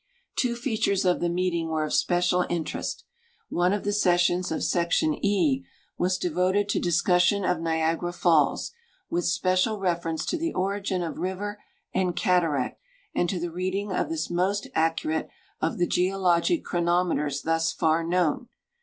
Two features of the meeting were of special interest : One of the ses sions of Section E was devoted to discussion of Niagara falls, with special reference to the origin of river and cataract, and to tlie reading of tliis most accurate of the geologic chronometers thus far known.